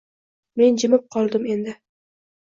Men jimib qoldim endi.